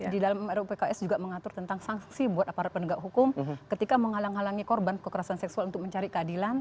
di dalam rupks juga mengatur tentang sanksi buat aparat penegak hukum ketika menghalang halangi korban kekerasan seksual untuk mencari keadilan